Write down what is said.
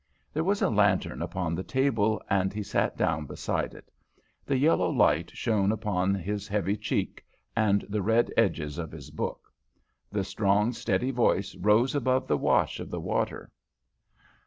There was a lantern upon the table, and he sat down beside it. The yellow light shone upon his heavy cheek and the red edges of his book. The strong, steady voice rose above the wash of the water.